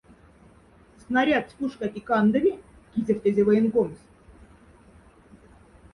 Снарядсь пушкати кандови? — кизефтезе военкомсь.